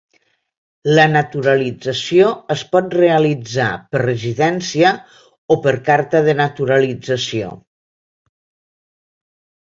La naturalització es pot realitzar per residència o per carta de naturalització.